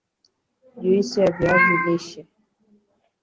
juisi ya viazi lishe